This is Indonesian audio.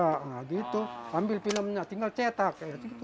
nah gitu ambil filmnya tinggal cetak